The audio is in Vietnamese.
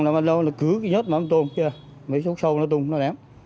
còn là nó cứ nhớt mắm tôm kia mấy xúc xâu nó tung nó lém